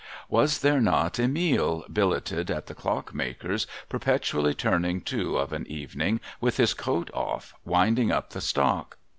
Was there not Emile, billeted at the Clock maker's, perpetually turning to of an evening, with his coat off, winding up the stock